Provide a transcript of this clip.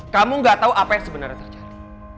kamu gak tahu apa yang sebenarnya terjadi